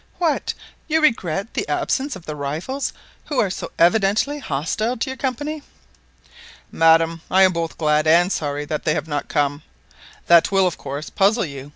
"What! you regret the absence of the rivals who are so evidently hostile to your Company?" "Madam, I am both glad and sorry that they have not come; that will of course puzzle you.